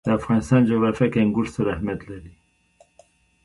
د افغانستان جغرافیه کې انګور ستر اهمیت لري.